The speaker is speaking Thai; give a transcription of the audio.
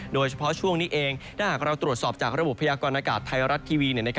โดยเฉพาะช่วงนี้เองถ้าหากเราตรวจสอบจากระบบพยากรณากาศไทยรัฐทีวี